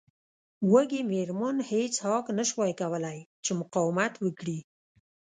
وږې میرمن هیج هاګ نشوای کولی چې مقاومت وکړي